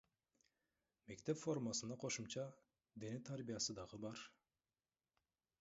Мектеп формасына кошумча дене тарбия дагы бар да.